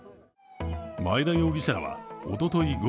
前田容疑者らはおととい